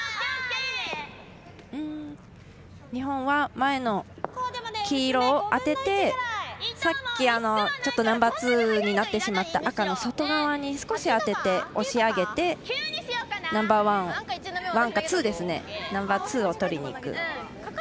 日本は前の黄色を当ててさっきナンバーツーになってしまった赤の外側に少し当てて押し上げてナンバーワンかツーを取りにいく。